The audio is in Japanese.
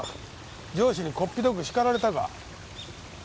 上司にこっぴどく叱られたか。